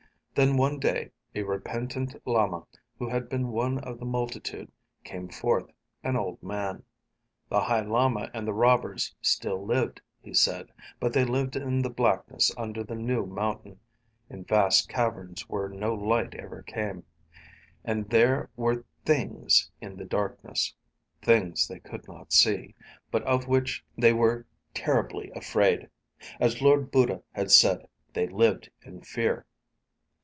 Then one day a repentant lama, who had been one of the multitude, came forth, an old man. The High Lama and the robbers still lived, he said. But they lived in the blackness under the new mountain, in vast caverns where no light ever came. And there were things in the darkness. Things they could not see, but of which they were terribly afraid. As Lord Buddha had said, they lived in fear.